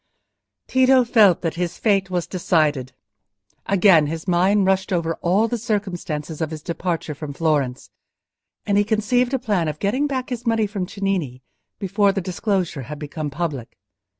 Tito felt that his fate was decided. Again his mind rushed over all the circumstances of his departure from Florence, and he conceived a plan of getting back his money from Cennini before the disclosure had become public.